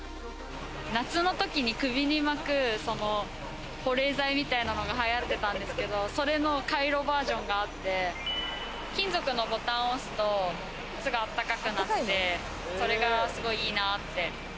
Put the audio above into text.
夏の時に首に巻く保冷剤みたいなのが流行ってたんですけど、それのカイロバージョンがあって、金属のボタンを押すと、すぐあったかくなってそれがすごいいいなって。